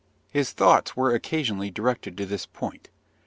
His thoughts were occasionally directed to this point.